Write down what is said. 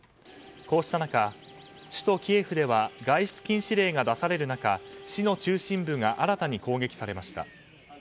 こうした中、首都キエフでは外出禁止令が出される中市の中心部が新たに攻撃されました。